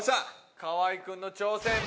河合君の挑戦。